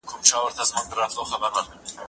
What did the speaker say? زه پرون ليکلي پاڼي ترتيب کوم!.